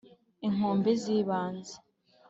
inkombe z'ibanze.